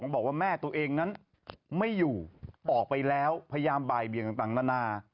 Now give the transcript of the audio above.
บอกว่าแม่ตัวเองนั้นไม่อยู่ออกไปแล้วพยายามบ่ายเบียงต่างนานา